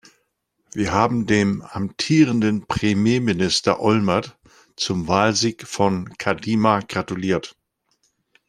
Wir haben dem amtierenden Premierminister Olmert zum Wahlsieg von Kadima gratuliert.